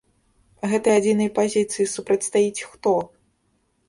Гэтай адзінай пазіцыі супрацьстаіць хто?